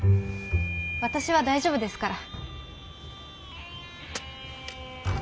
私は大丈夫ですから。